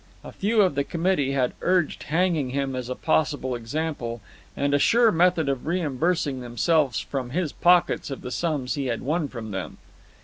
A few of the committee had urged hanging him as a possible example, and a sure method of reimbursing themselves from his pockets of the sums he had won from them.